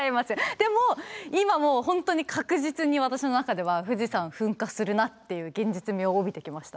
でも今もう本当に確実に私の中では富士山噴火するなっていう現実味を帯びてきました。